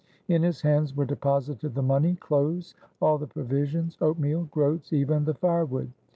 In his hands were deposited the money, clothes, all the provisions, oatmeal, groats, even the firewood.